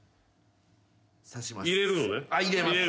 さします。